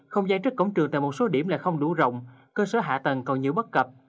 không dây trước cổng trường tại một số điểm là không đủ rộng cơ sở hạ tầng còn nhiều bất cập